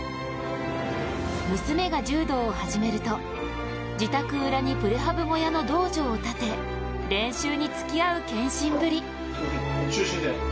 娘が柔道を始めると、自宅裏にプレハブ小屋の道場を建て練習につきあう献身ぶり。